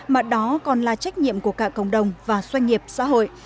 mà đó còn là trách nhiệm của cả cộng đồng và doanh nghiệp xã hội